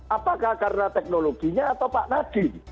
apakah karena teknologinya atau pak nadie